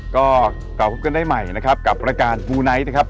ก็ตอบพบกันได้ใหม่นะครับกับประการมูลไนท์ได้ครับ